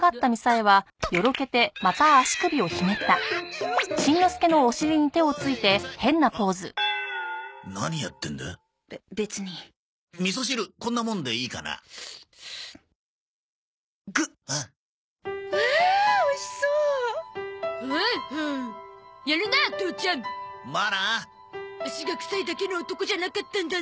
足が臭いだけの男じゃなかったんだね。